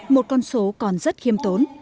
một con số còn rất khiêm tốn